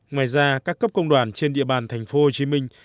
ngoài ra các cấp công đoàn trên địa bàn thành phố hồ chí minh